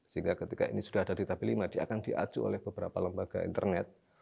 sehingga ketika ini sudah ada di tabeli lima dia akan diaju oleh beberapa lembaga internet